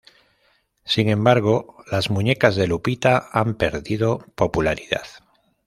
Sin embargo, las muñecas de Lupita han perdido popularidad.